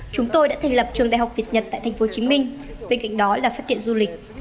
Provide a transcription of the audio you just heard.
chúng tôi đã thành lập trường đại học việt nhật tại thành phố hồ chí minh bên cạnh đó là phát triển du lịch